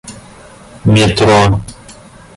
метро